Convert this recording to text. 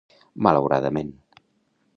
Malauradament.